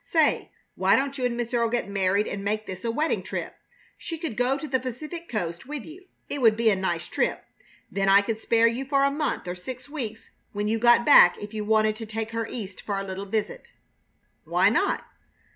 Say, why don't you and Miss Earle get married and make this a wedding trip? She could go to the Pacific coast with you. It would be a nice trip. Then I could spare you for a month or six weeks when you got back if you wanted to take her East for a little visit." Why not?